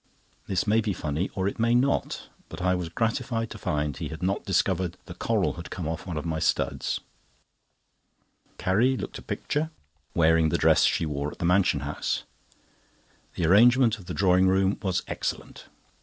This may be funny, or it may not; but I was gratified to find he had not discovered the coral had come off one of my studs. Carrie looked a picture, wearing the dress she wore at the Mansion House. The arrangement of the drawing room was excellent.